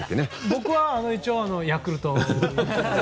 僕は一応ヤクルト。